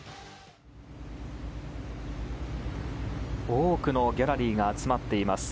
多くのギャラリーが集まっていますＺＯＺＯ